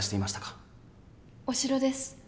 お城です。